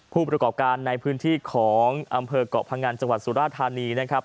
ผู้ประกอบการในพื้นที่ของอำเภอกเกาะพงันจังหวัดสุราธานีนะครับ